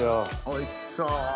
おいしそう。